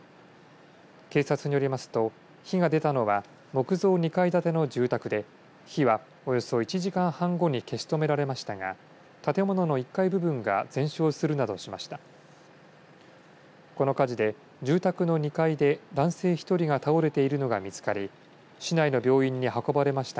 警察によりますと火が出たのは木造２階建ての住宅で火はおよそ１時間半後に消し止められましたが建物の１階部分が全焼するなどしました。